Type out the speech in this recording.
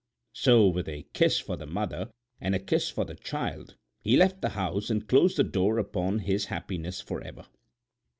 So, with a kiss for the mother and a kiss for the child, he left the house and closed the door upon his happiness forever.